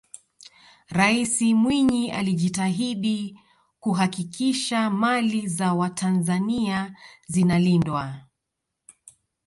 raisi mwinyi alijitahidi kuhakikisha mali za watanzania zinalindwa